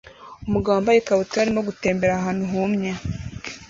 Umugabo wambaye ikabutura arimo gutembera ahantu humye